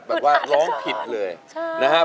แบบว่าร้องผิดเลยใช่